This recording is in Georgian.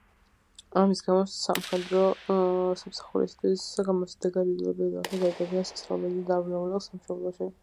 ამის გამო, სამხედრო სამსახურისათვის გამოუსადეგარი, იძულებული გახდა დაეტოვებინა სასწავლებელი და დაბრუნებულიყო სამშობლოში.